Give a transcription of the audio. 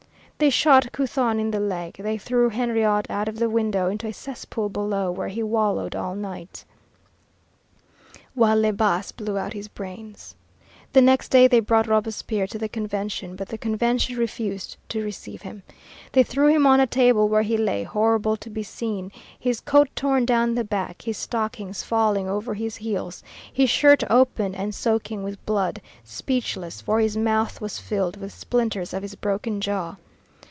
They shot Couthon in the leg, they threw Henriot out of the window into a cesspool below where he wallowed all night, while Le Bas blew out his brains. The next day they brought Robespierre to the Convention, but the Convention refused to receive him. They threw him on a table, where he lay, horrible to be seen, his coat torn down the back, his stockings falling over his heels, his shirt open and soaking with blood, speechless, for his mouth was filled with splinters of his broken jaw.